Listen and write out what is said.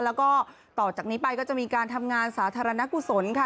แล้วก็ต่อจากนี้ไปก็จะมีการทำงานสาธารณกุศลค่ะ